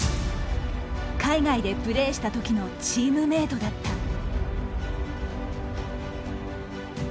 海外でプレーした時のチームメートだった。